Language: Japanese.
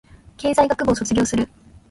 経済学部を卒業する